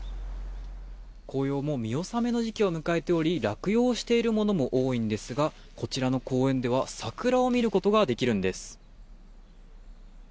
紅葉も見納めの時期を迎えており落葉しているものも多いんですがこちらの公園では桜を見ることができるんです。